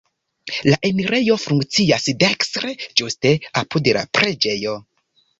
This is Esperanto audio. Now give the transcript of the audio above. La enirejo funkcias dekstre, ĝuste apud la preĝejo.